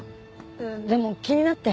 でも気になって。